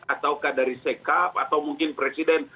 ataukah dari sekap atau mungkin presiden